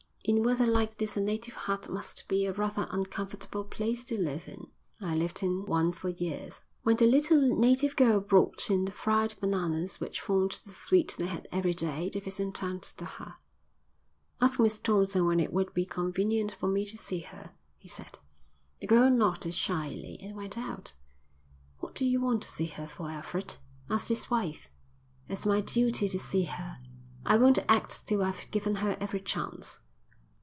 "In weather like this a native hut must be a rather uncomfortable place to live in." "I lived in one for years," said the missionary. When the little native girl brought in the fried bananas which formed the sweet they had every day, Davidson turned to her. "Ask Miss Thompson when it would be convenient for me to see her," he said. The girl nodded shyly and went out. "What do you want to see her for, Alfred?" asked his wife. "It's my duty to see her. I won't act till I've given her every chance."